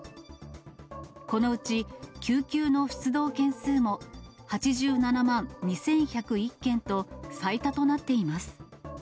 このうち、救急の出動件数も８７万２１０１件と、最多となっています。